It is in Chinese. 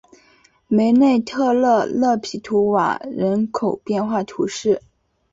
梅内特勒勒皮图瓦人口变化图示